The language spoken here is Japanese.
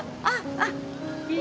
あっあっ。